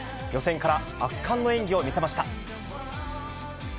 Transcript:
予選から圧巻の演技を見せました。